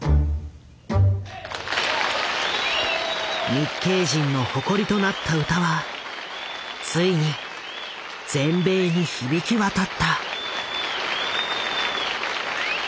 日系人の誇りとなった歌はついに全米に響きわたった。